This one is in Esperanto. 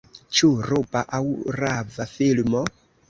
Ĉu ruba aŭ rava filmo?